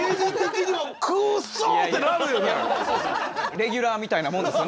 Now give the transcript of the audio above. レギュラーみたいなもんですよね